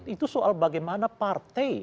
itu soal bagaimana partai